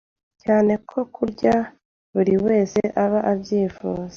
cyane ko burya buri wese aba abyifuza